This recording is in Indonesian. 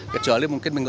kecuali mungkin dikabut